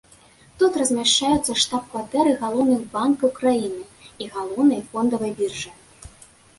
Тут размяшчаюцца штаб-кватэры галоўных банкаў краіны і галоўнай фондавай біржы.